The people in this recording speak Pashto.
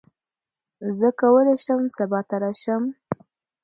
زه کولی شم سبا ته راشم.